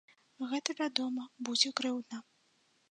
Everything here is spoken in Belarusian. Гэта, вядома, будзе крыўдна.